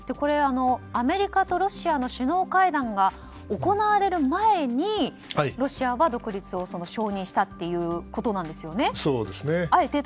アメリカとロシアの首脳会談が行われる前にロシアは独立を承認したということなんですよね。